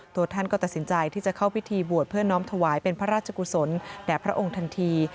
ตัวท่านก็ตัดสินใจที่จะเข้าพิธีบวชเพื่อน้อมถวายเป็นพระราชกุศลแด่พระองค์ทันที